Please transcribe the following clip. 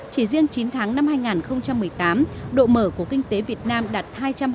chỉ riêng chín tháng năm hai nghìn một mươi tám độ mở của kinh tế việt nam đạt hai trăm ba mươi